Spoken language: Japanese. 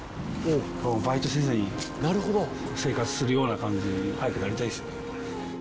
バイトせずに生活するような感じ早くなりたいですよね